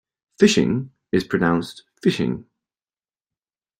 Phishing is pronounced fishing.